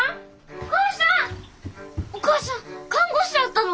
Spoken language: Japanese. お母さん看護師だったの？